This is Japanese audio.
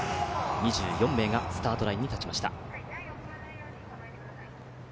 ２４名がスタートラインに立ちました。